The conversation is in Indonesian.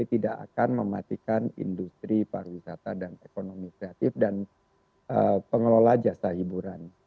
jadi tidak akan mematikan industri pariwisata dan ekonomi kreatif dan pengelola jasa hiburan